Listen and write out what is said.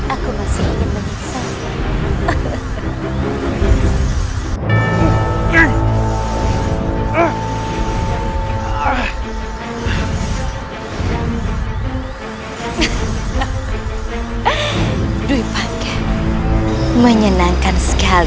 aku masih ingin menyiksa